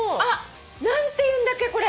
何ていうんだっけこれ！